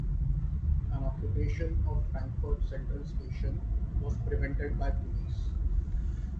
An occupation of Frankfurt Central Station was prevented by police.